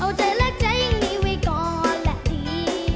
เอาใจแลกใจยังมีไว้ก่อนและดี